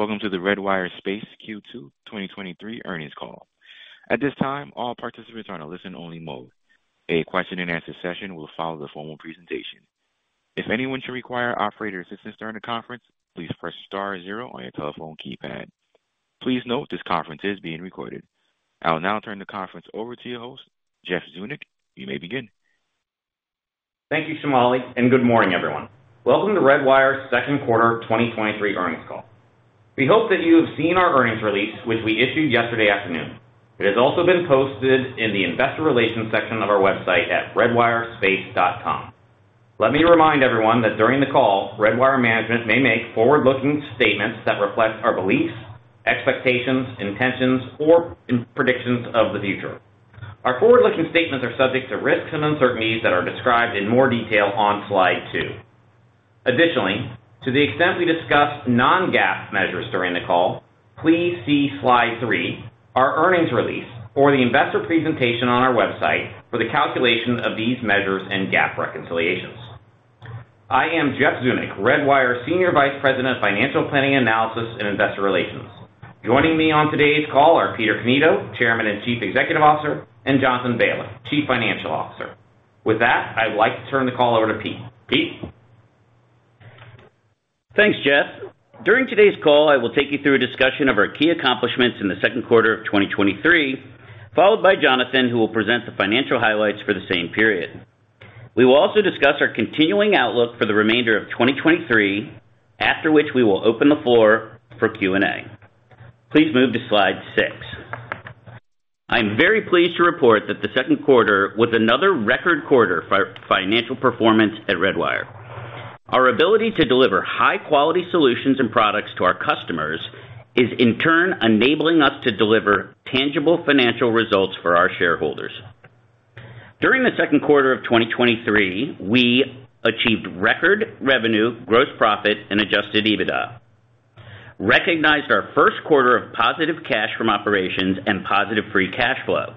Greetings. Welcome to the Redwire Space Q2 2023 earnings call. At this time, all participants are on a listen-only mode. A question-and-answer session will follow the formal presentation. If anyone should require operator assistance during the conference, please press star zero on your telephone keypad. Please note, this conference is being recorded. I will now turn the conference over to your host, Jeff Zeunik. You may begin. Thank you, Shamali. Good morning, everyone. Welcome to Redwire's second quarter 2023 earnings call. We hope that you have seen our earnings release, which we issued yesterday afternoon. It has also been posted in the Investor Relations section of our website at redwirespace.com. Let me remind everyone that during the call, Redwire management may make forward-looking statements that reflect our beliefs, expectations, intentions, or predictions of the future. Our forward-looking statements are subject to risks and uncertainties that are described in more detail on Slide 2. Additionally, to the extent we discuss non-GAAP measures during the call, please see Slide 3, our earnings release or the investor presentation on our website for the calculation of these measures and GAAP reconciliations. I am Jeff Zeunik, Redwire Senior Vice President of Financial Planning, Analysis, and Investor Relations. Joining me on today's call are Peter Cannito, Chairman and Chief Executive Officer, and Jonathan Baliff, Chief Financial Officer. With that, I'd like to turn the call over to Peter. Peter? Thanks, Jeff. During today's call, I will take you through a discussion of our key accomplishments in the second quarter of 2023, followed by Jonathan, who will present the financial highlights for the same period. We will also discuss our continuing outlook for the remainder of 2023, after which we will open the floor for Q&A. Please move to Slide 6. I'm very pleased to report that the second quarter was another record quarter for financial performance at Redwire. Our ability to deliver high-quality solutions and products to our customers is, in turn, enabling us to deliver tangible financial results for our shareholders. During the second quarter of 2023, we achieved record revenue, gross profit, and Adjusted EBITDA. Recognized our first quarter of positive cash from operations and positive free cash flow.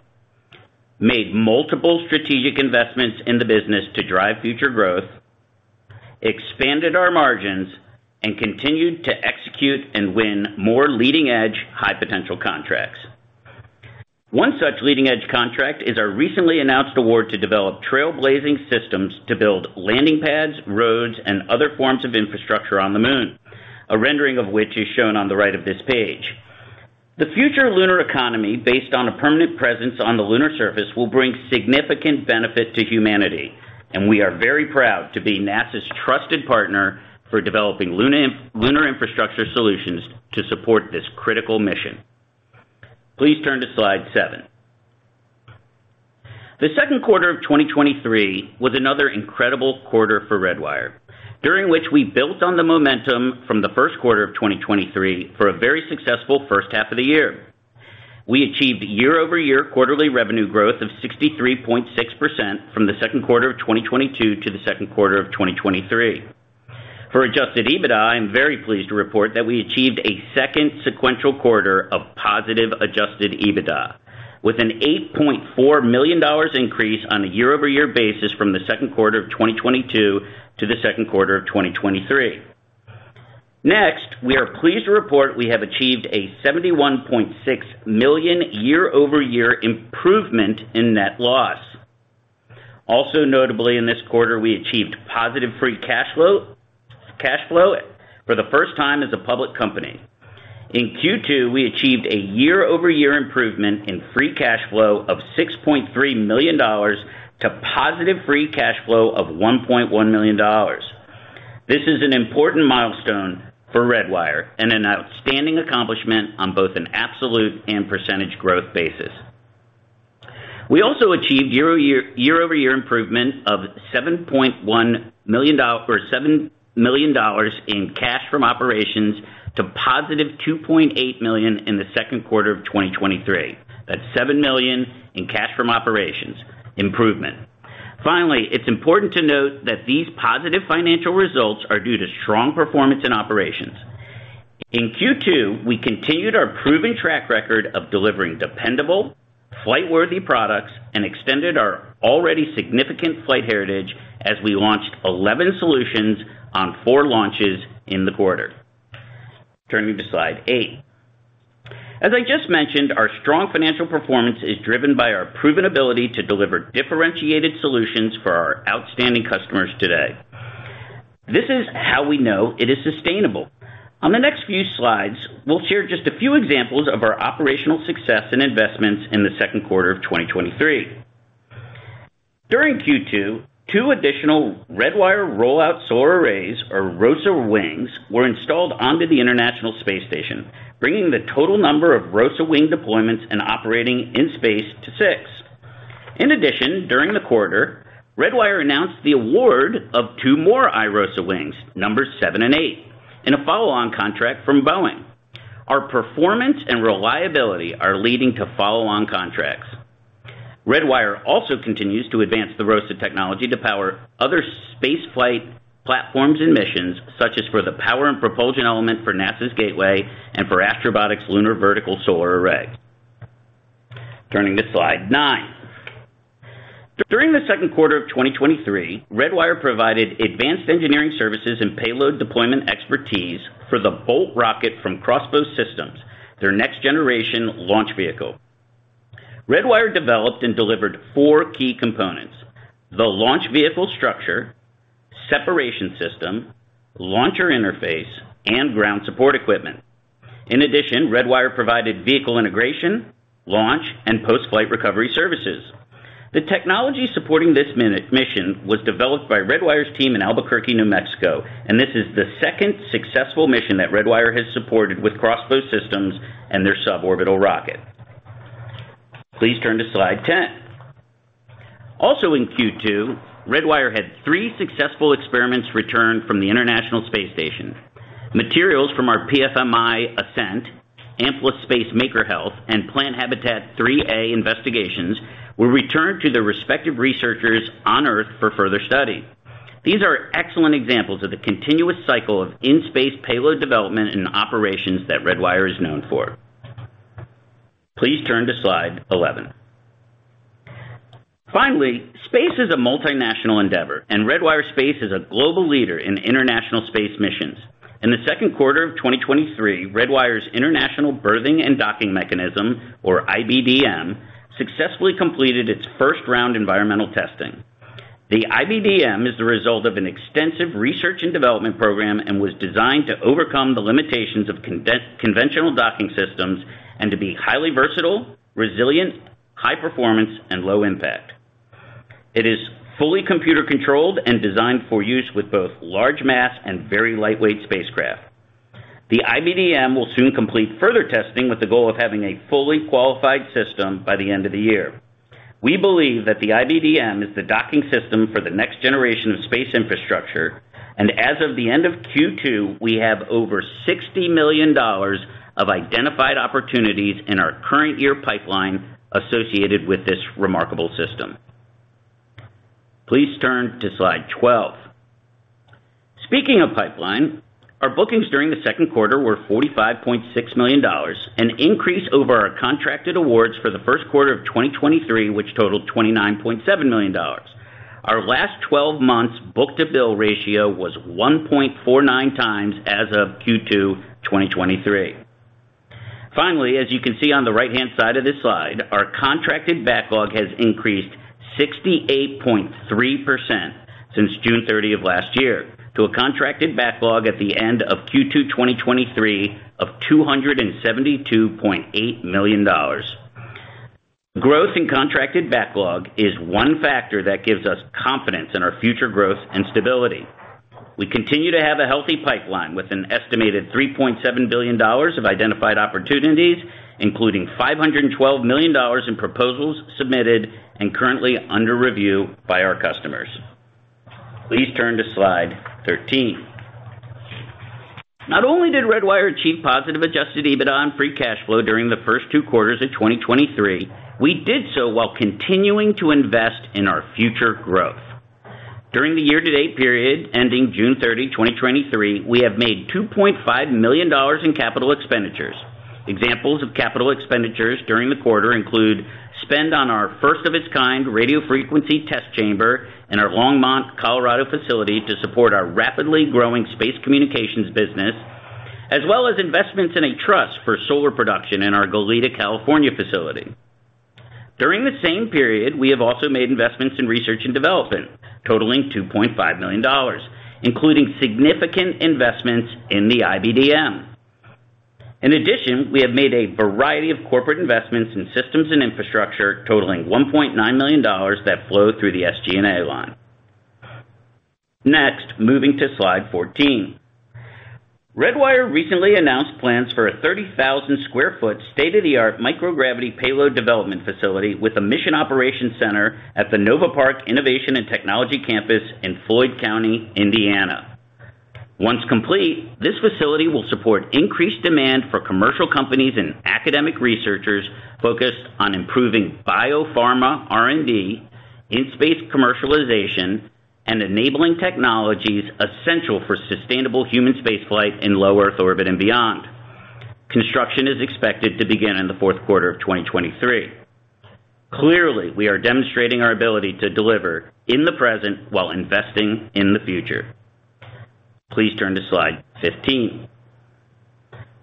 Made multiple strategic investments in the business to drive future growth, expanded our margins, and continued to execute and win more leading-edge, high-potential contracts. One such leading-edge contract is our recently announced award to develop trailblazing systems to build landing pads, roads, and other forms of infrastructure on the Moon, a rendering of which is shown on the right of this page. The future lunar economy, based on a permanent presence on the lunar surface, will bring significant benefit to humanity, and we are very proud to be NASA's trusted partner for developing lunar infrastructure solutions to support this critical mission. Please turn to Slide 7. The second quarter of 2023 was another incredible quarter for Redwire, during which we built on the momentum from the first quarter of 2023 for a very successful first half of the year. We achieved year-over-year quarterly revenue growth of 63.6% from the second quarter of 2022 to the second quarter of 2023. For Adjusted EBITDA, I am very pleased to report that we achieved a second sequential quarter of positive Adjusted EBITDA, with an $8.4 million increase on a year-over-year basis from the second quarter of 2022 to the second quarter of 2023. Next, we are pleased to report we have achieved a $71.6 million year-over-year improvement in net loss. Also, notably in this quarter, we achieved positive free cash flow, cash flow for the first time as a public company. In Q2, we achieved a year-over-year improvement in free cash flow of $6.3 million, to positive free cash flow of $1.1 million. This is an important milestone for Redwire and an outstanding accomplishment on both an absolute and percentage growth basis. We also achieved year-over-year, year-over-year improvement of $7 million in cash from operations, to +$2.8 million in the second quarter of 2023. That's $7 million in cash from operations improvement. Finally, it's important to note that these positive financial results are due to strong performance in operations. In Q2, we continued our proven track record of delivering dependable, flight-worthy products and extended our already significant flight heritage as we launched 11 solutions on four launches in the quarter. Turning to Slide 8. As I just mentioned, our strong financial performance is driven by our proven ability to deliver differentiated solutions for our outstanding customers today. This is how we know it is sustainable. On the next few slides, we'll share just a few examples of our operational success and investments in the second quarter of 2023. During Q2, two additional Redwire Roll-Out Solar Arrays, or ROSA Wings, were installed onto the International Space Station, bringing the total number of ROSA Wing deployments and operating in space to 6. In addition, during the quarter, Redwire announced the award of two more iROSA Wings, Numbers 7 and 8, in a follow-on contract from Boeing. Our performance and reliability are leading to follow-on contracts. Redwire also continues to advance the ROSA technology to power other spaceflight platforms and missions, such as for the Power and Propulsion Element for NASA's Gateway and for Astrobotic's Lunar Vertical Solar Array. Turning to Slide 9. During the second quarter of 2023, Redwire provided advanced engineering services and payload deployment expertise for the Bolt rocket from X-Bow Systems, their next generation launch vehicle. Redwire developed and delivered four key components: the launch vehicle structure, separation system, launcher interface, and ground support equipment. In addition, Redwire provided vehicle integration, launch, and post-flight recovery services. The technology supporting this mini- mission was developed by Redwire's team in Albuquerque, New Mexico, and this is the second successful mission that Redwire has supported with X-Bow Systems and their suborbital rocket. Please turn to Slide 10. Also in Q2, Redwire had three successful experiments returned from the International Space Station. Materials from our PFMI-ASCENT, Sample Space, Maker Health, and Plant Habitat-03A investigations were returned to their respective researchers on Earth for further study. These are excellent examples of the continuous cycle of in-space payload development and operations that Redwire is known for. Please turn to Slide 11. Finally, space is a multinational endeavor, and Redwire Space is a global leader in international space missions. In the second quarter of 2023, Redwire's International Berthing and Docking Mechanism, or IBDM, successfully completed its first round environmental testing. The IBDM is the result of an extensive research and development program and was designed to overcome the limitations of conventional docking systems and to be highly versatile, resilient, high performance, and low impact. It is fully computer-controlled and designed for use with both large mass and very lightweight spacecraft. The IBDM will soon complete further testing with the goal of having a fully qualified system by the end of the year. We believe that the IBDM is the docking system for the next generation of space infrastructure, and as of the end of Q2, we have over $60 million of identified opportunities in our current year pipeline associated with this remarkable system. Please turn to Slide 12. Speaking of pipeline, our bookings during the second quarter were $45.6 million, an increase over our contracted awards for the first quarter of 2023, which totaled $29.7 million. Our last 12 months book-to-bill ratio was 1.49x as of Q2 2023. Finally, as you can see on the right-hand side of this slide, our contracted backlog has increased 68.3% since June 30 of last year to a contracted backlog at the end of Q2 2023 of $272.8 million. Growth in contracted backlog is one factor that gives us confidence in our future growth and stability. We continue to have a healthy pipeline, with an estimated $3.7 billion of identified opportunities, including $512 million in proposals submitted and currently under review by our customers. Please turn to Slide 13. Not only did Redwire achieve positive Adjusted EBITDA and free cash flow during the first two quarters of 2023, we did so while continuing to invest in our future growth. During the year-to-date period ending June 30, 2023, we have made $2.5 million in capital expenditures. Examples of capital expenditures during the quarter include spend on our first-of-its-kind radio frequency test chamber in our Longmont, Colorado, facility to support our rapidly growing space communications business, as well as investments in a truss for solar production in our Goleta, California, facility. During the same period, we have also made investments in research and development totaling $2.5 million, including significant investments in the IBDM. In addition, we have made a variety of corporate investments in systems and infrastructure totaling $1.9 million that flow through the SG&A line. Next, moving to Slide 14. Redwire recently announced plans for a 30,000 sq ft, state-of-the-art microgravity payload development facility with a mission operations center at the Novaparke Innovation & Technology Campus in Floyd County, Indiana. Once complete, this facility will support increased demand for commercial companies and academic researchers focused on improving biopharma R&D, in-space commercialization, and enabling technologies essential for sustainable human spaceflight in low Earth orbit and beyond. Construction is expected to begin in the fourth quarter of 2023. Clearly, we are demonstrating our ability to deliver in the present while investing in the future. Please turn to Slide 15.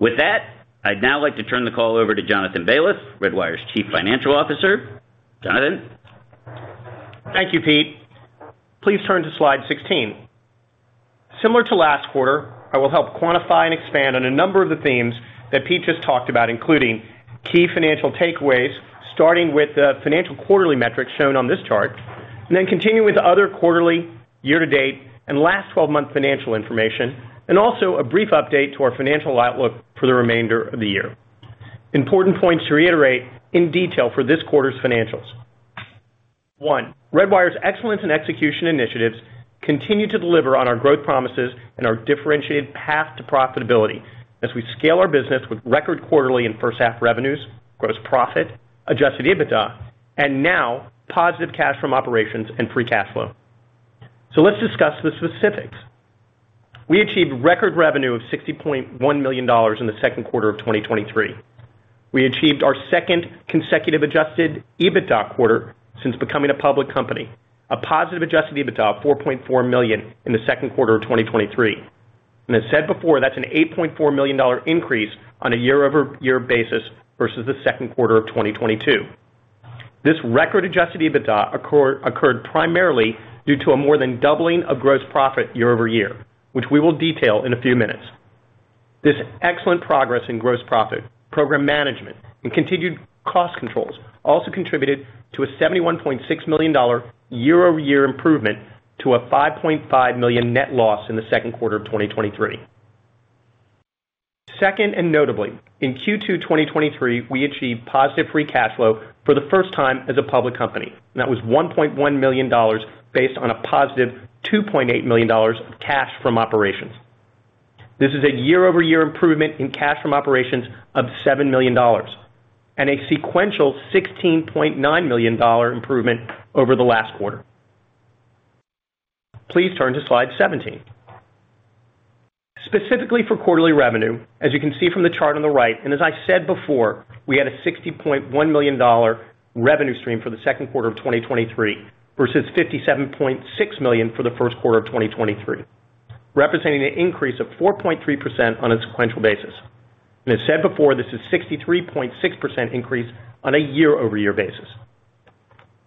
With that, I'd now like to turn the call over to Jonathan Baliff, Redwire's Chief Financial Officer. Jonathan? Thank you, Peter. Please turn to Slide 16. Similar to last quarter, I will help quantify and expand on a number of the themes that Peter just talked about, including key financial takeaways, starting with the financial quarterly metrics shown on this chart, continue with other quarterly, year-to-date, and last twelve-month financial information, and also a brief update to our financial outlook for the remainder of the year. Important points to reiterate in detail for this quarter's financials. One. Redwire's excellence in execution initiatives continue to deliver on our growth promises and our differentiated path to profitability as we scale our business with record quarterly and first half revenues, gross profit, Adjusted EBITDA, and now positive cash from operations and free cash flow. Let's discuss the specifics. We achieved record revenue of $60.1 million in the second quarter of 2023. We achieved our second consecutive Adjusted EBITDA quarter since becoming a public company. A positive Adjusted EBITDA of $4.4 million in the second quarter of 2023. As said before, that's an $8.4 million increase on a year-over-year basis versus the second quarter of 2022. This record Adjusted EBITDA occurred primarily due to a more than doubling of gross profit year-over-year, which we will detail in a few minutes. This excellent progress in gross profit, program management, and continued cost controls also contributed to a $71.6 million year-over-year improvement to a $5.5 million net loss in the second quarter of 2023. Second, and notably, in Q2 2023, we achieved positive free cash flow for the first time as a public company, and that was $1.1 million, based on a positive $2.8 million of cash from operations. This is a year-over-year improvement in cash from operations of $7 million, and a sequential $16.9 million improvement over the last quarter. Please turn to Slide 17. Specifically for quarterly revenue, as you can see from the chart on the right, and as I said before, we had a $60.1 million revenue stream for the second quarter of 2023, versus $57.6 million for the first quarter of 2023, representing an increase of 4.3% on a sequential basis. As said before, this is 63.6% increase on a year-over-year basis.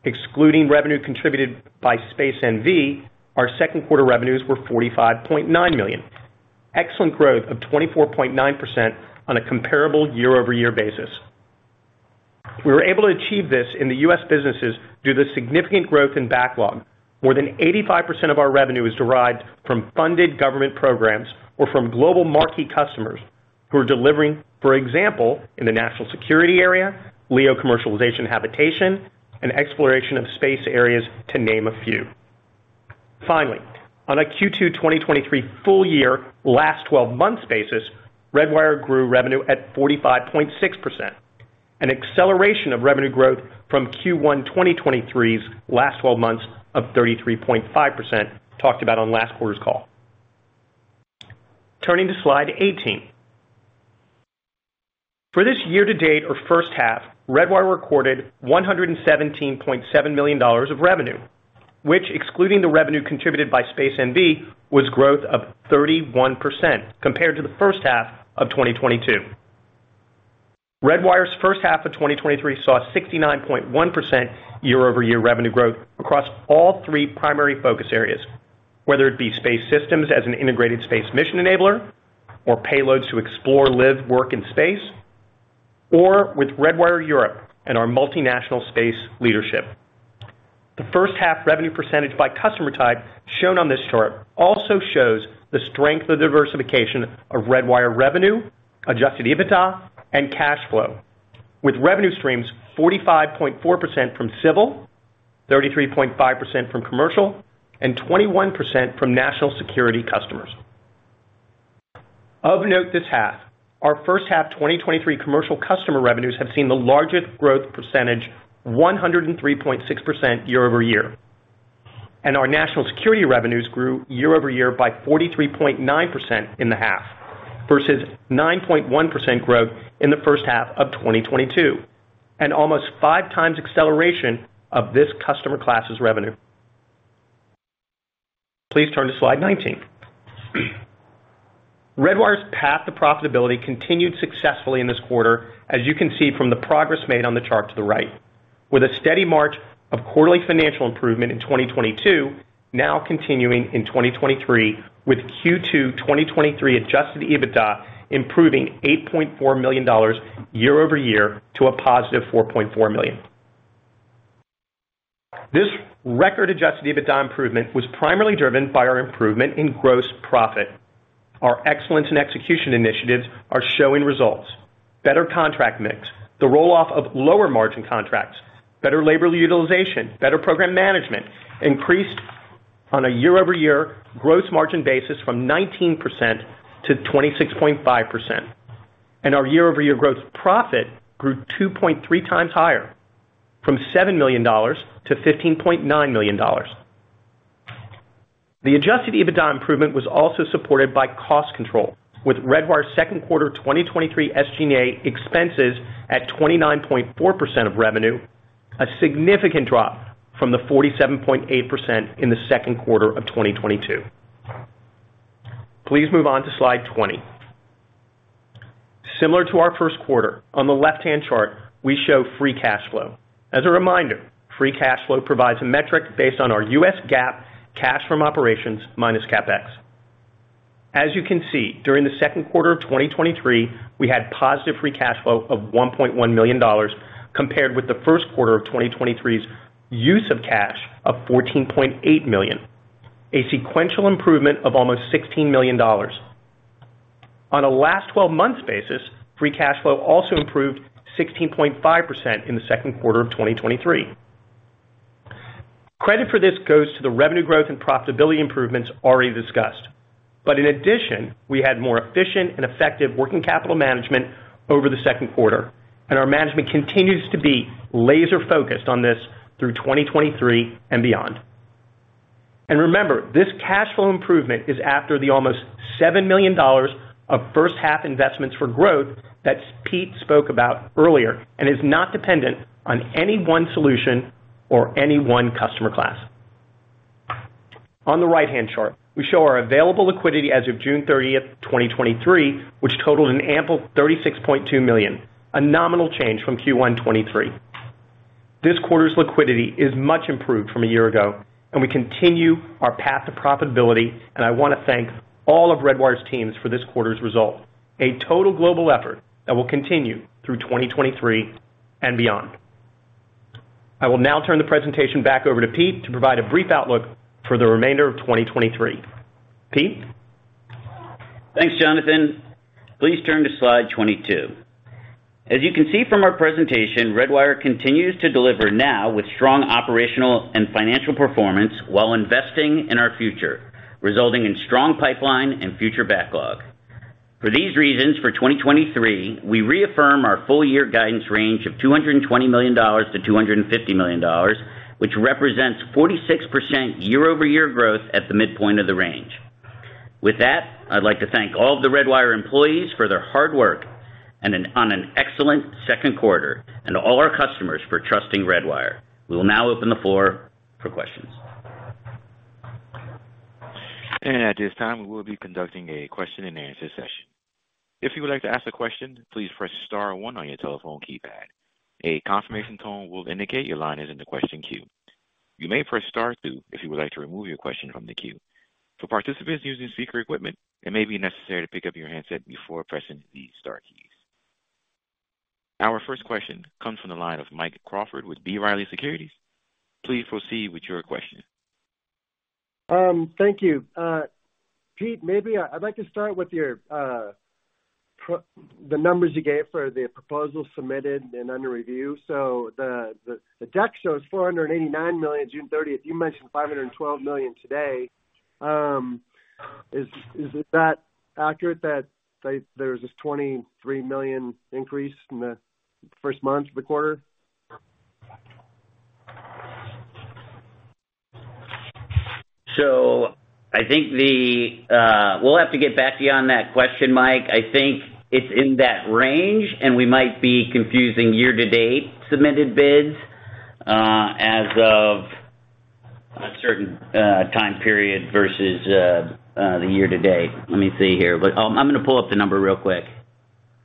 Excluding revenue contributed by Space NV, our second quarter revenues were $45.9 million. Excellent growth of 24.9% on a comparable year-over-year basis. We were able to achieve this in the U.S. businesses due to significant growth in backlog. More than 85% of our revenue is derived from funded government programs or from global marquee customers who are delivering, for example, in the national security area, LEO commercialization, habitation, and exploration of space areas, to name a few. Finally, on a Q2 2023 full year, last twelve months basis, Redwire grew revenue at 45.6%. An acceleration of revenue growth from Q1 2023's last twelve months of 33.5%, talked about on last quarter's call. Turning to Slide 18. For this year-to-date or first half, Redwire recorded $117.7 million of revenue, which, excluding the revenue contributed by Space NV, was growth of 31% compared to the first half of 2022. Redwire's first half of 2023 saw 69.1% year-over-year revenue growth across all three primary focus areas, whether it be space systems as an integrated space mission enabler, or payloads to explore, live, work in space, or with Redwire Europe and our multinational space leadership. The first half revenue percentage by customer type shown on this chart also shows the strength of diversification of Redwire revenue, Adjusted EBITDA, and cash flow, with revenue streams 45.4% from civil, 33.5% from commercial, and 21% from national security customers. Of note, this half, our first half 2023 commercial customer revenues have seen the largest growth percentage, 103.6% year-over-year, and our national security revenues grew year-over-year by 43.9% in the half, versus 9.1% growth in the first half of 2022, and almost 5x acceleration of this customer classes revenue. Please turn to Slide 19. Redwire's path to profitability continued successfully in this quarter, as you can see from the progress made on the chart to the right. With a steady march of quarterly financial improvement in 2022, now continuing in 2023, with Q2 2023 Adjusted EBITDA, improving $8.4 million year-over-year to a positive $4.4 million. This record Adjusted EBITDA improvement was primarily driven by our improvement in gross profit. Our excellence in execution initiatives are showing results, better contract mix, the roll-off of lower margin contracts, better labor utilization, better program management, increased on a year-over-year gross margin basis from 19%-26.5%, and our year-over-year growth profit grew 2.3x higher, from $7 million-$15.9 million. The Adjusted EBITDA improvement was also supported by cost control, with Redwire's second quarter 2023 SG&A expenses at 29.4% of revenue, a significant drop from the 47.8% in the second quarter of 2022. Please move on to Slide 20. Similar to our first quarter, on the left-hand chart, we show free cash flow. As a reminder, free cash flow provides a metric based on our U.S. GAAP cash from operations minus CapEx. As you can see, during the 2Q 2023, we had positive free cash flow of $1.1 million, compared with the 1Q 2023's use of cash of $14.8 million, a sequential improvement of almost $16 million. On an LTM basis, free cash flow also improved 16.5% in the 2Q 2023. Credit for this goes to the revenue growth and profitability improvements already discussed. In addition, we had more efficient and effective working capital management over the 2Q, and our management continues to be laser-focused on this through 2023 and beyond. Remember, this cash flow improvement is after the almost $7 million of first half investments for growth that Peter spoke about earlier, and is not dependent on any one solution or any one customer class. On the right-hand chart, we show our available liquidity as of June 30, 2023, which totaled an ample $36.2 million, a nominal change from Q1 2023. This quarter's liquidity is much improved from a year ago, and we continue our path to profitability, and I want to thank all of Redwire's teams for this quarter's result, a total global effort that will continue through 2023 and beyond. I will now turn the presentation back over to Peter to provide a brief outlook for the remainder of 2023. Peter? Thanks, Jonathan. Please turn to Slide 22. As you can see from our presentation, Redwire continues to deliver now with strong operational and financial performance while investing in our future, resulting in strong pipeline and future backlog. For these reasons, for 2023, we reaffirm our full year guidance range of $220 million-$250 million, which represents 46% year-over-year growth at the midpoint of the range. With that, I'd like to thank all of the Redwire employees for their hard work on an excellent second quarter, and all our customers for trusting Redwire. We will now open the floor for questions. At this time, we will be conducting a question-and-answer session. If you would like to ask a question, please press star one on your telephone keypad. A confirmation tone will indicate your line is in the question queue. You may press star two if you would like to remove your question from the queue. For participants using speaker equipment, it may be necessary to pick up your handset before pressing the star keys. Our first question comes from the line of Mike Crawford with B. Riley Securities. Please proceed with your question. Thank you. Peter, maybe I, I'd like to start with your pro- the numbers you gave for the proposal submitted and under review. The, the, the deck shows $489 million, June 30th. You mentioned $512 million today. Is that accurate that there's this $23 million increase from the first month of the quarter? I think the, we'll have to get back to you on that question, Mike. I think it's in that range, and we might be confusing year-to-date submitted bids, as of a certain time period versus the year to date. Let me see here, but I'm, I'm gonna pull up the number real quick.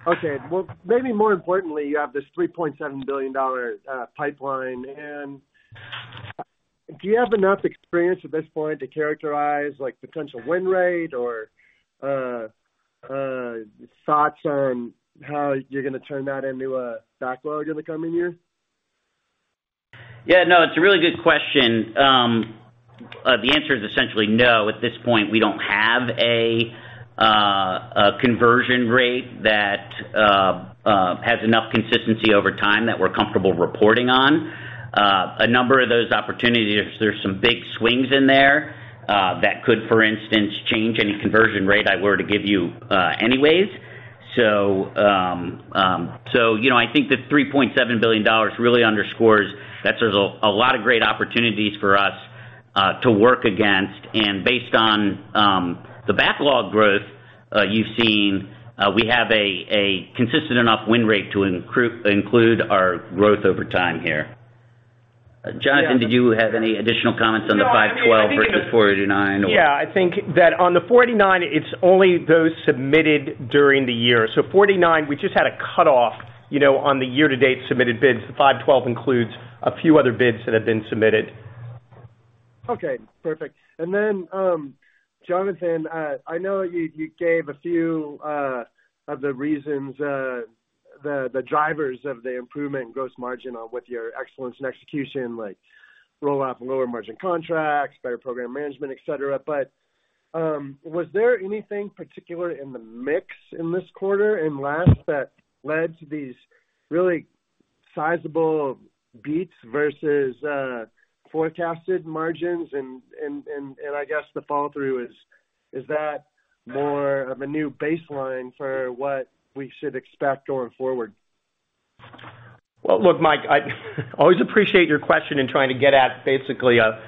Okay. Well, maybe more importantly, you have this $3.7 billion pipeline. Do you have enough experience at this point to characterize, like, potential win rate or thoughts on how you're gonna turn that into a backlog in the coming year? Yeah, no, it's a really good question. The answer is essentially no. At this point, we don't have a conversion rate that has enough consistency over time that we're comfortable reporting on. A number of those opportunities, there's some big swings in there, that could, for instance, change any conversion rate I were to give you, anyways. So, you know, I think the $3.7 billion really underscores that there's a lot of great opportunities for us to work against. Based on the backlog growth, you've seen, we have a consistent enough win rate to include our growth over time here. Jonathan, did you have any additional comments on the 512 versus 49 or? Yeah, I think that on the 49, it's only those submitted during the year. 49, we just had a cutoff, you know, on the year-to-date submitted bids. The 512 includes a few other bids that have been submitted. Okay, perfect. Then, Jonathan, I know you, you gave a few of the reasons, the, the drivers of the improvement in gross margin on with your excellence in execution, like roll off lower margin contracts, better program management, et cetera. Was there anything particular in the mix in this quarter and last that led to these really sizable beats versus forecasted margins? I guess the follow-through is, is that more of a new baseline for what we should expect going forward? Look, Mike, I always appreciate your question and trying to get at basically a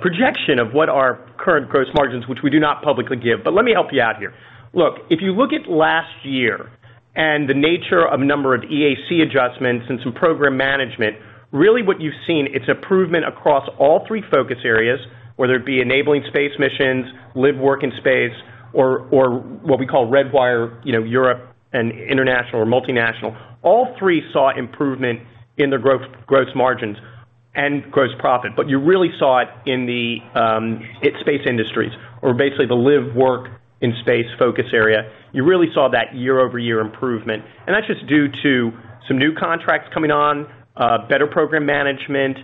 projection of what our current gross margins, which we do not publicly give. Let me help you out here. Look, if you look at last year and the nature of number of EAC adjustments and some program management, really what you've seen is improvement across all three focus areas, whether it be enabling space missions, live, work in space or what we call Redwire, you know, Europe and international or multinational. All three saw improvement in their gross margins and gross profit, but you really saw it in the, it's space industries or basically the live, work in space focus area. You really saw that year-over-year improvement, and that's just due to some new contracts coming on, better program management,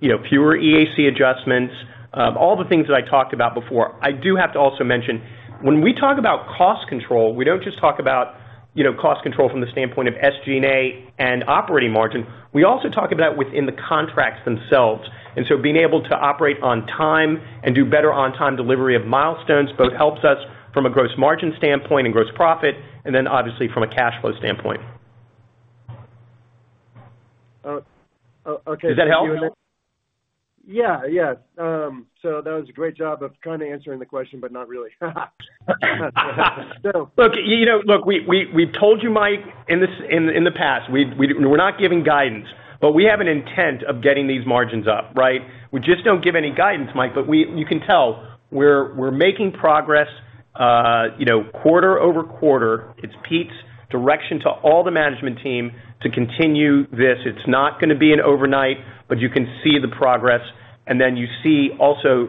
you know, fewer EAC adjustments, all the things that I talked about before. I do have to also mention, when we talk about cost control, we don't just talk about, you know, cost control from the standpoint of SG&A and operating margin. We also talk about within the contracts themselves, so being able to operate on time and do better on-time delivery of milestones both helps us from a gross margin standpoint and gross profit, and then obviously from a cash flow standpoint. Oh, okay. Does that help? Yeah, yeah. That was a great job of kind of answering the question, but not really. Look, you know, look, we, we, we told you, Mike, in the past, we, we, we're not giving guidance, but we have an intent of getting these margins up, right? We just don't give any guidance, Mike, but you can tell we're, we're making progress, you know, quarter-over-quarter. It's Peter's direction to all the management team to continue this. It's not gonna be an overnight, but you can see the progress, and then you see also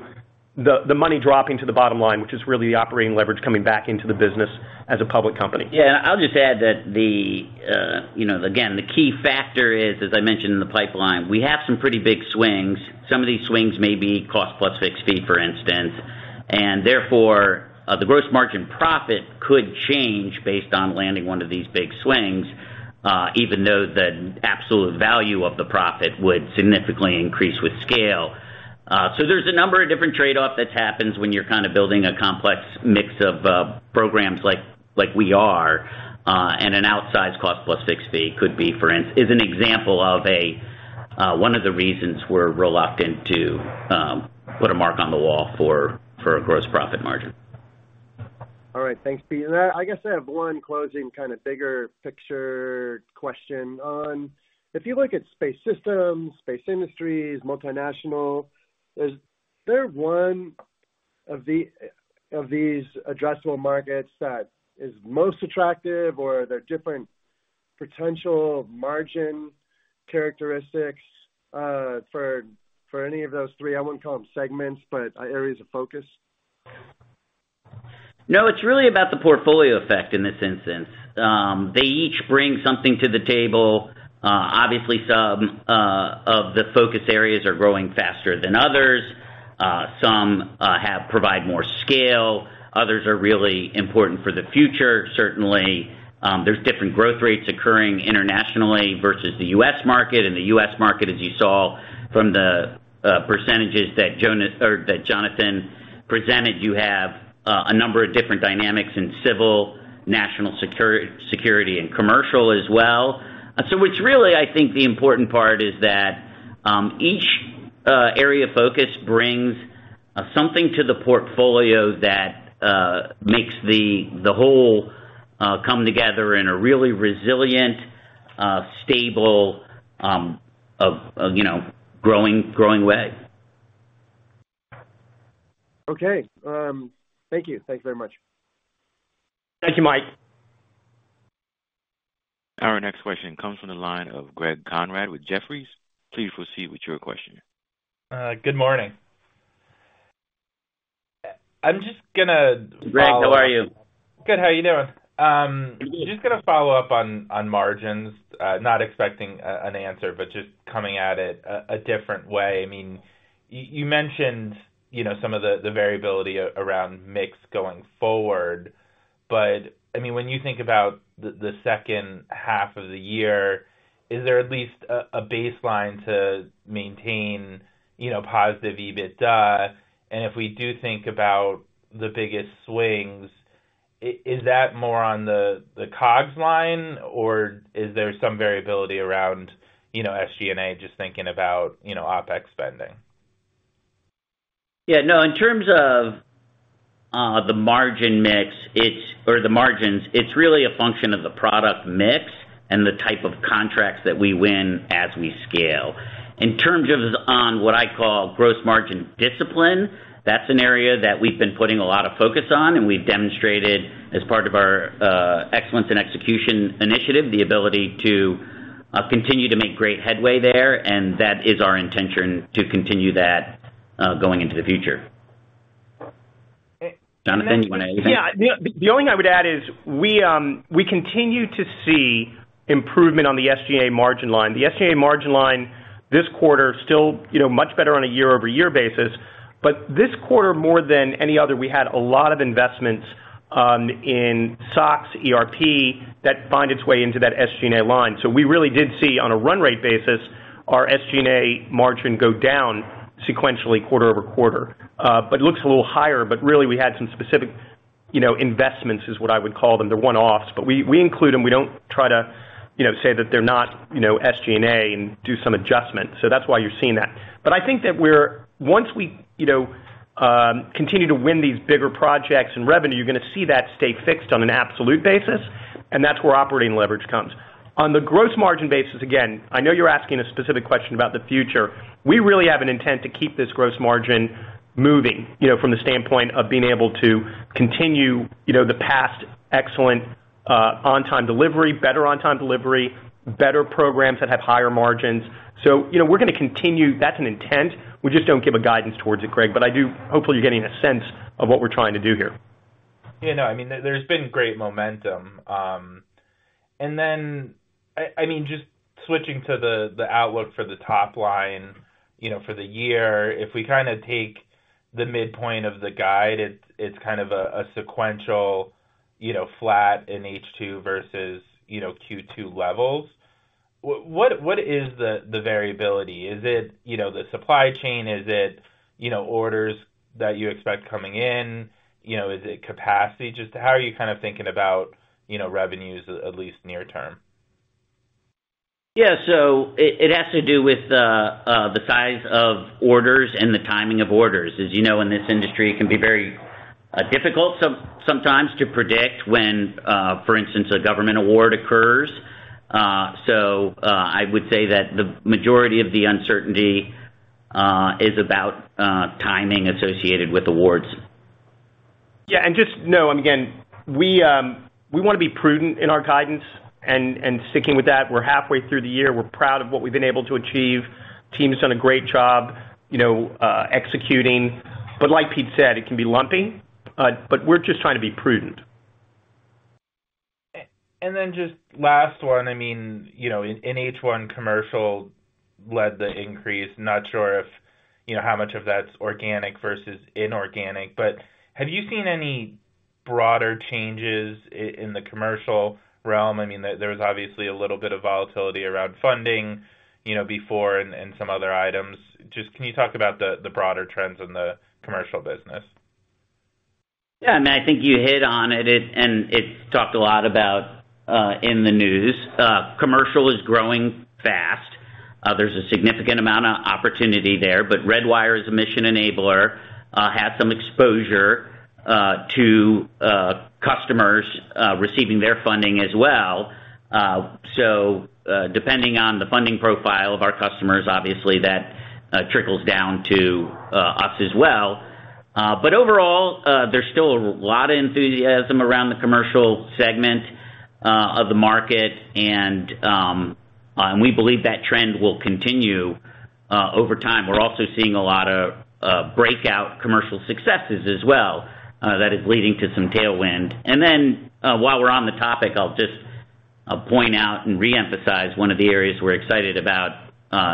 the, the money dropping to the bottom line, which is really the operating leverage coming back into the business as a public company. Yeah. I'll just add that the, you know, again, the key factor is, as I mentioned in the pipeline, we have some pretty big swings. Some of these swings may be cost-plus-fixed-fee, for instance, and therefore, the gross margin profit could change based on landing one of these big swings, even though the absolute value of the profit would significantly increase with scale. So there's a number of different trade-off that happens when you're kind of building a complex mix of programs like, like we are, and an outsized cost-plus-fixed-fee could be, for instance, is an example of one of the reasons we're reluctant to put a mark on the wall for a gross profit margin. All right. Thanks, Peter. I guess I have one closing, kind of, bigger picture question on if you look at space systems, space industries, multinational, is there one of these addressable markets that is most attractive, or are there different potential margin characteristics for any of those three? I wouldn't call them segments, but areas of focus. No, it's really about the portfolio effect in this instance. They each bring something to the table. Obviously, some of the focus areas are growing faster than others. Some have provide more scale, others are really important for the future. Certainly, there's different growth rates occurring internationally versus the U.S. market. The U.S. market, as you saw from the percentages that Jonas or that Jonathan presented, you have a number of different dynamics in civil, national security, and commercial as well. What's really, I think, the important part is that each area of focus brings something to the portfolio that makes the whole come together in a really resilient, stable, a, a, you know, growing, growing way. Okay. thank you. Thank you very much. Thank you, Mike. Our next question comes from the line of Greg Konrad with Jefferies. Please proceed with your question. good morning. I'm just gonna. Greg, how are you? Good. How are you doing? Just gonna follow up on, on margins. Not expecting an answer, but just coming at it a different way. I mean, you mentioned, you know, some of the, the variability around mix going forward, but I mean, when you think about the second half of the year, is there at least a baseline to maintain, you know, positive EBITDA? If we do think about the biggest swings, is that more on the COGS line, or is there some variability around, you know, SG&A, just thinking about, you know, OpEx spending? Yeah. No, in terms of, the margin mix, it's, or the margins, it's really a function of the product mix and the type of contracts that we win as we scale. In terms of on what I call gross margin discipline, that's an area that we've been putting a lot of focus on, and we've demonstrated as part of our, excellence in execution initiative, the ability to, continue to make great headway there, and that is our intention to continue that, going into the future. Jonathan, you want to add anything? Yeah. The, the only thing I would add is we, we continue to see improvement on the SG&A margin line. The SG&A margin line this quarter, still, you know, much better on a year-over-year basis. But this quarter, more than any other, we had a lot of investments in SOX, ERP that find its way into that SG&A line. We really did see, on a run rate basis, our SG&A margin go down sequentially, quarter-over-quarter. But it looks a little higher, but really, we had some specific, you know, investments, is what I would call them. They're one-offs, but we, we include them. We don't try to, you know, say that they're not, you know, SG&A and do some adjustment. That's why you're seeing that. I think that we're once we, you know, continue to win these bigger projects and revenue, you're gonna see that stay fixed on an absolute basis, and that's where operating leverage comes. On the gross margin basis, again, I know you're asking a specific question about the future. We really have an intent to keep this gross margin moving, you know, from the standpoint of being able to continue, you know, the past excellent, on-time delivery, better on-time delivery, better programs that have higher margins. You know, we're gonna continue. That's an intent. We just don't give a guidance towards it, Greg, I do, hopefully, you're getting a sense of what we're trying to do here. Yeah, no, I mean, there's been great momentum. And then, I, I mean, just switching to the, the outlook for the top line, you know, for the year. If we kind of take the midpoint of the guide, it's, it's kind of a, a sequential, you know, flat in H2 versus, you know, Q2 levels. W-what, what is the, the variability? Is it, you know, the supply chain? Is it, you know, orders that you expect coming in? You know, is it capacity? Just how are you kind of thinking about, you know, revenues, at least near term? Yeah, so it, it has to do with the size of orders and the timing of orders. As you know, in this industry, it can be very difficult sometimes to predict when, for instance, a government award occurs. I would say that the majority of the uncertainty is about timing associated with awards. Yeah, just know, and again, we wanna be prudent in our guidance and, and sticking with that. We're halfway through the year. We're proud of what we've been able to achieve. Team has done a great job, you know, executing. Like Peter said, it can be lumpy, but we're just trying to be prudent. Then just last one, I mean, you know, in, in H1, commercial led the increase. Not sure if, you know, how much of that's organic versus inorganic. Have you seen any broader changes in the commercial realm? I mean, there, there was obviously a little bit of volatility around funding, you know, before and, and some other items. Just, can you talk about the, the broader trends in the commercial business? Yeah, I think you hit on it, and it's talked a lot about in the news. Commercial is growing fast. There's a significant amount of opportunity there, but Redwire is a mission enabler, has some exposure to customers receiving their funding as well. Depending on the funding profile of our customers, obviously that trickles down to us as well. Overall, there's still a lot of enthusiasm around the commercial segment of the market, and, and we believe that trend will continue over time. We're also seeing a lot of breakout commercial successes as well, that is leading to some tailwind. While we're on the topic, I'll just point out and reemphasize one of the areas we're excited about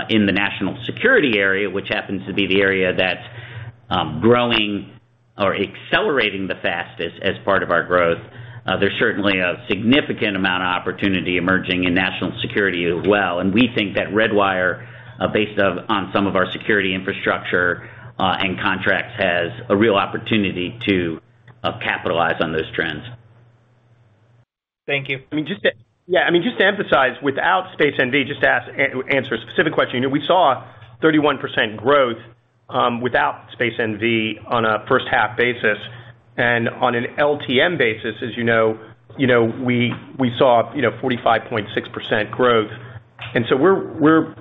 in the national security area, which happens to be the area that's growing or accelerating the fastest as part of our growth. There's certainly a significant amount of opportunity emerging in national security as well, and we think that Redwire, based on some of our security infrastructure and contracts, has a real opportunity to capitalize on those trends. Thank you. I mean, just to yeah, I mean, just to emphasize, without Space NV, just to ask answer a specific question, you know, we saw 31% growth without Space NV on a first half basis. On an LTM basis, as you know, you know, we, we saw, you know, 45.6% growth. We're, we're,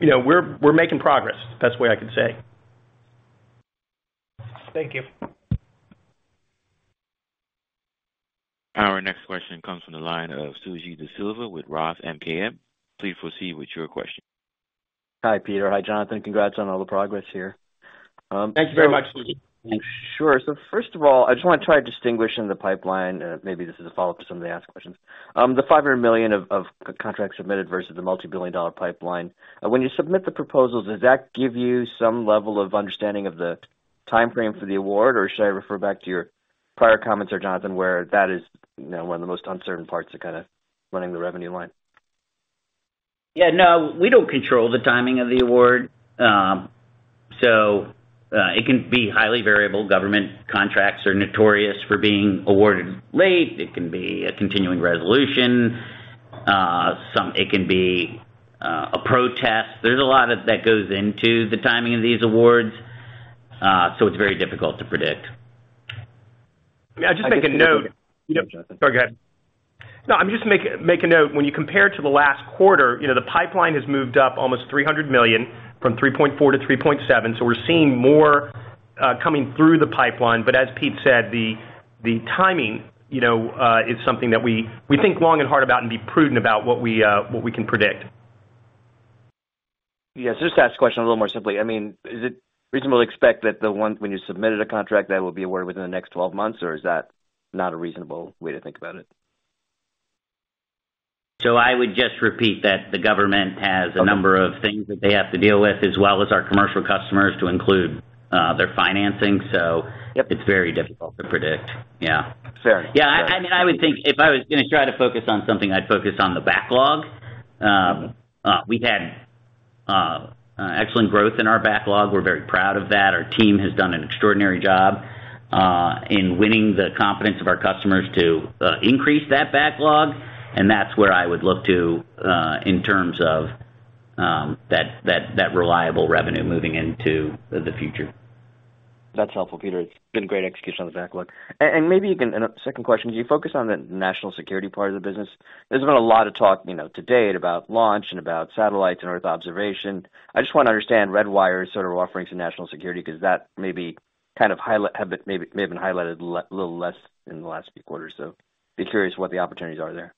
you know, we're, we're making progress. Best way I could say. Thank you. Our next question comes from the line of Suji DeSilva with ROTH MKM. Please proceed with your question. Hi, Peter. Hi, Jonathan. Congrats on all the progress here. Thank you very much, Suji. Sure. First of all, I just want to try to distinguish in the pipeline, maybe this is a follow-up to some of the asked questions. The $500 million of contracts submitted versus the multi-billion dollar pipeline. When you submit the proposals, does that give you some level of understanding of the timeframe for the award, or should I refer back to your prior comments, or Jonathan, where that is, you know, one of the most uncertain parts of kinda running the revenue line? Yeah, no, we don't control the timing of the award. It can be highly variable. Government contracts are notorious for being awarded late. It can be a continuing resolution. It can be a protest. There's a lot of that goes into the timing of these awards, so it's very difficult to predict. May I just make a note. Yeah, Jonathan. Go ahead. No, I'm just make a note. When you compare to the last quarter, you know, the pipeline has moved up almost $300 million, from $3.4-$3.7. We're seeing more coming through the pipeline. As Peter said, the timing, you know, is something that we think long and hard about and be prudent about what we can predict. Yes, just to ask the question a little more simply, I mean, is it reasonable to expect that when you submitted a contract, that will be awarded within the next 12 months, or is that not a reasonable way to think about it? I would just repeat that the government has. Okay. A number of things that they have to deal with, as well as our commercial customers to include, their financing. Yep. it's very difficult to predict. Yeah. Fair. Yeah, I, I mean, I would think if I was gonna try to focus on something, I'd focus on the backlog. We've had excellent growth in our backlog. We're very proud of that. Our team has done an extraordinary job in winning the confidence of our customers to increase that backlog. That's where I would look to in terms of that, that, that reliable revenue moving into the future. That's helpful, Peter. It's been great execution on the backlog. maybe you can. A second question, do you focus on the national security part of the business? There's been a lot of talk, you know, to date about launch and about satellites and earth observation. I just want to understand Redwire's sort of offerings in national security, because that may be kind of highlight, have been, may, may have been highlighted a little less in the last few quarters, so be curious what the opportunities are there.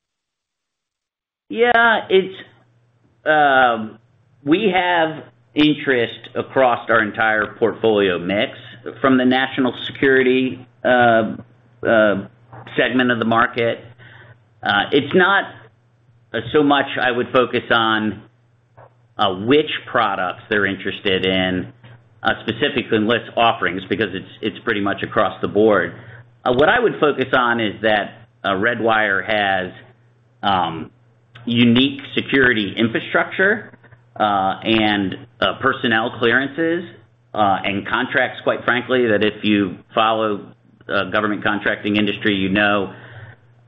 Yeah, it's, we have interest across our entire portfolio mix from the national security segment of the market. It's not so much I would focus on which products they're interested in specifically in list offerings, because it's, it's pretty much across the board. What I would focus on is that Redwire has unique security infrastructure, and personnel clearances, and contracts, quite frankly, that if you follow government contracting industry, you know,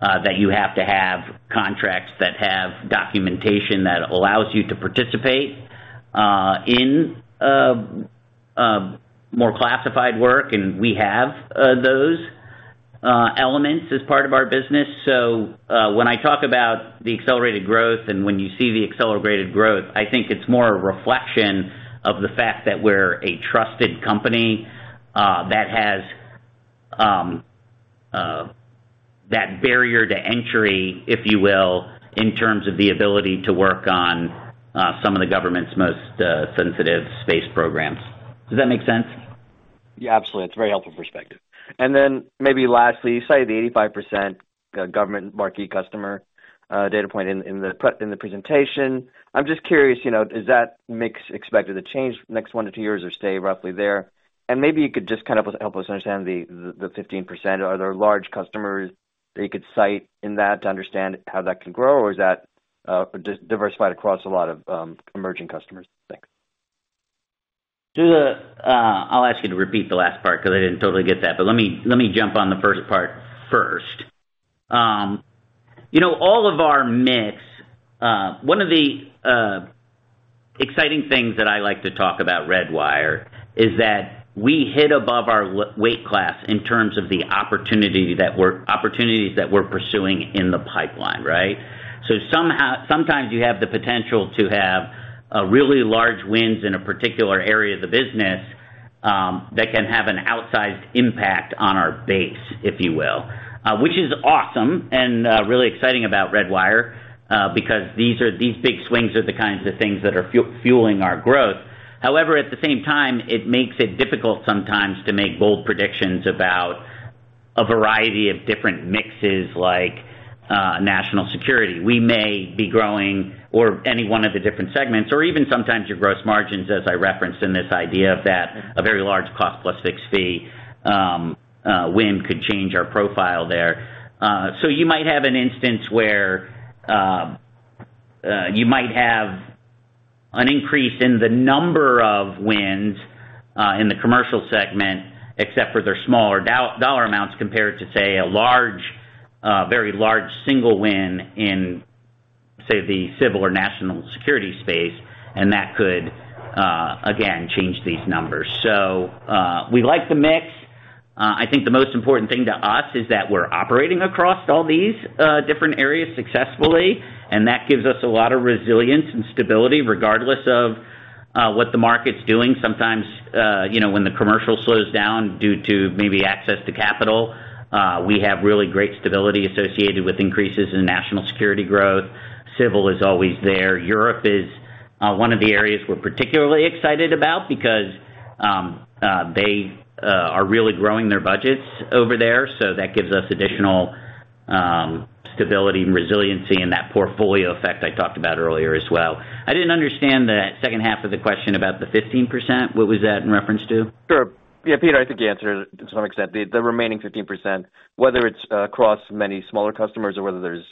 that you have to have contracts that have documentation that allows you to participate in more classified work, and we have those elements as part of our business. When I talk about the accelerated growth and when you see the accelerated growth, I think it's more a reflection of the fact that we're a trusted company that has that barrier to entry, if you will, in terms of the ability to work on some of the government's most sensitive space programs. Does that make sense? Yeah, absolutely. It's a very helpful perspective. Then maybe lastly, you cited the 85% government marquee customer data point in the presentation. I'm just curious, you know, is that mix expected to change next one to two years or stay roughly there? Maybe you could just kind of help us understand the 15%. Are there large customers that you could cite in that to understand how that can grow, or is that diversified across a lot of emerging customers? Thanks. Do the, I'll ask you to repeat the last part because I didn't totally get that, but let me, let me jump on the first part first. You know, all of our mix, one of the exciting things that I like to talk about Redwire is that we hit above our weight class in terms of the opportunity that we're opportunities that we're pursuing in the pipeline, right? Somehow, sometimes you have the potential to have really large wins in a particular area of the business, that can have an outsized impact on our base, if you will. Which is awesome and really exciting about Redwire, because these are these big swings are the kinds of things that are fueling our growth. At the same time, it makes it difficult sometimes to make bold predictions about a variety of different mixes, like, national security. We may be growing, or any one of the different segments, or even sometimes your gross margins, as I referenced in this idea, that a very large cost plus fixed fee, win could change our profile there. You might have an instance where, you might have an increase in the number of wins, in the commercial segment, except for their smaller dollar amounts compared to, say, a large, very large single win in, say, the civil or national security space, and that could, again, change these numbers. We like the mix. I think the most important thing to us is that we're operating across all these different areas successfully, and that gives us a lot of resilience and stability, regardless of what the market's doing. Sometimes, you know, when the commercial slows down due to maybe access to capital, we have really great stability associated with increases in national security growth. Civil is always there. Europe is one of the areas we're particularly excited about because they are really growing their budgets over there, so that gives us additional stability and resiliency and that portfolio effect I talked about earlier as well. I didn't understand the second half of the question about the 15%. What was that in reference to? Sure. Yeah, Peter, I think you answered it to some extent. The, the remaining 15%, whether it's across many smaller customers or whether there's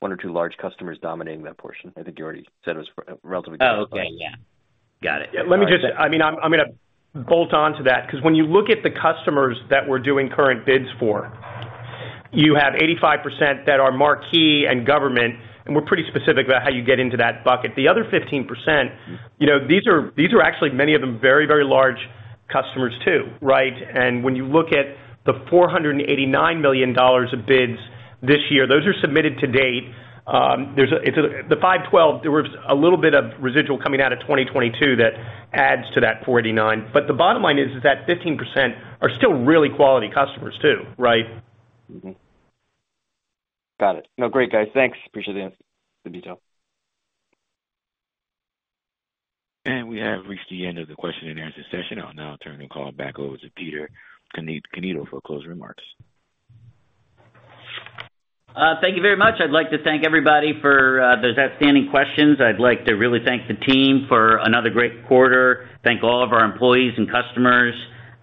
one or two large customers dominating that portion. I think you already said it was relatively. Oh, okay. Yeah. Got it. Let me just, I mean, I'm, I'm gonna bolt on to that, because when you look at the customers that we're doing current bids for, you have 85% that are marquee and government, and we're pretty specific about how you get into that bucket. The other 15%, you know, these are, these are actually many of them very, very large customers, too, right? When you look at the $489 million of bids this year, those are submitted to date. The 512, there was a little bit of residual coming out of 2022 that adds to that 489. The bottom line is that 15% are still really quality customers, too, right? Mm-hmm. Got it. No great, guys. Thanks. Appreciate the, the detail. We have reached the end of the question and answer session. I'll now turn the call back over to Peter Cannito for closing remarks. Thank you very much. I'd like to thank everybody for those outstanding questions. I'd like to really thank the team for another great quarter. Thank all of our employees and customers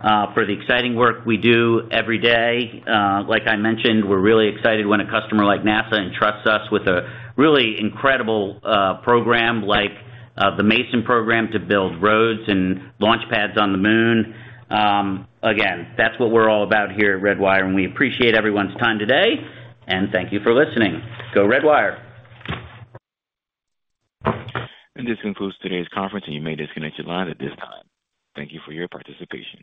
for the exciting work we do every day. Like I mentioned, we're really excited when a customer like NASA entrusts us with a really incredible program like the MAVEN program, to build roads and launch pads on the Moon. Again, that's what we're all about here at Redwire, and we appreciate everyone's time today, and thank you for listening. Go Redwire! This concludes today's conference, and you may disconnect your line at this time. Thank you for your participation.